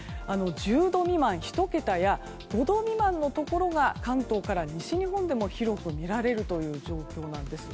１０度未満、１桁や５度未満のところが関東から西日本でも広くみられる状況なんです。